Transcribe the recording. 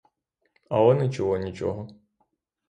Але не чула нічого.